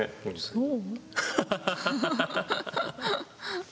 そう？